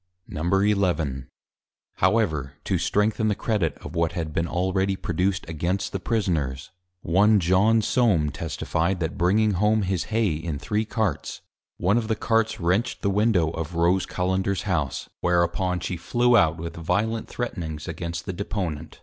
XI. However, to strengthen the Credit of what had been already produced against the Prisoners, One John Soam Testifi'd, That bringing home his Hay in Three Carts, one of the Carts wrenched the Window of Rose Cullenders House, whereupon she flew out, with violent Threatenings against the Deponent.